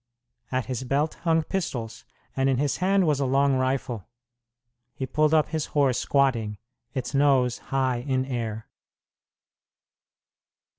At his belt hung pistols, and in his hand was a long rifle. He pulled up his horse squatting, its nose high in air.